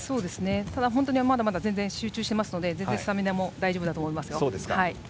ただ、まだまだ集中していますので全然スタミナも大丈夫だと思います。